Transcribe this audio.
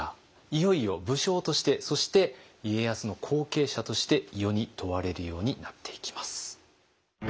いよいよ武将としてそして家康の後継者として世に問われるようになっていきます。